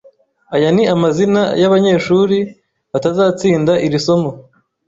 Aya ni amazina yabanyeshuri batazatsinda iri somo.